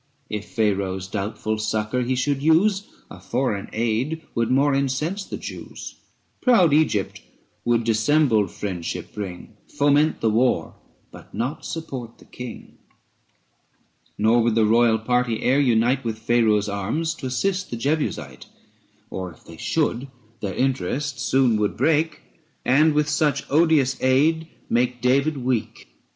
280 If Pharaoh's doubtful succour he should use, A foreign aid would more incense the Jews; Proud Egypt would dissembled friendship bring, Foment the war, but not support the King ; Nor would the royal party e'er unite 285 With Pharaoh's arms to assist the Jebusite ; Or, if they should, their interest soon would break And with such odious aid make David weak.